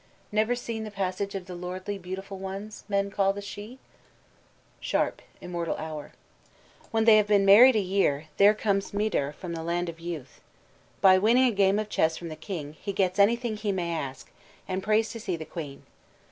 Never seen The passage of the lordly beautiful ones Men call the Shee?" SHARP: Immortal Hour. even when she wins the love of King Eochaidh. When they have been married a year, there comes Midir from the Land of Youth. By winning a game of chess from the King, he gets anything he may ask, and prays to see the Queen.